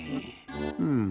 うん。